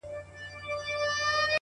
خو وخته لا مړ سوى دی ژوندى نه دی.!